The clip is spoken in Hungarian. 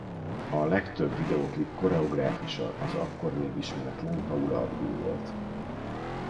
A legtöbb videóklip koreográfusa az akkor még ismeretlen Paula Abdul volt.